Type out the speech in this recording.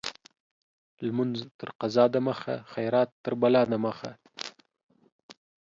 لمونځ تر قضا د مخه ، خيرات تر بلا د مخه.